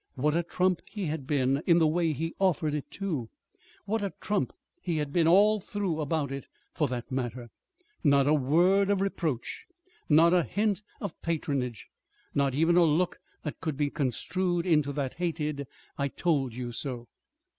What a trump he had been in the way he offered it, too! What a trump he had been all through about it, for that matter. Not a word of reproach, not a hint of patronage. Not even a look that could be construed into that hated "I told you so."